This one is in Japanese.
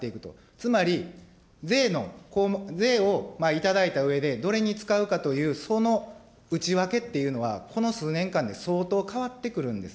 つまり、税を頂いたうえで、どれに使うかという、その内訳っていうのは、この数年間で相当変わってくるんです。